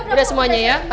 udah semuanya ya